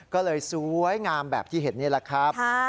ก็เลยสวยงามแบบที่เห็นนี่แหละครับ